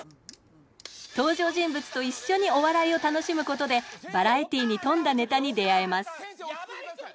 登場人物と一緒にお笑いを楽しむことでバラエティーに富んだネタに出会えます